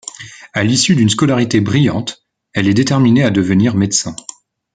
À l'issue d'une scolarité brillante, elle est déterminée à devenir médecin.